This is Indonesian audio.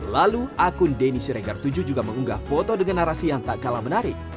lalu akun denny siregar tujuh juga mengunggah foto dengan narasi yang tak kalah menarik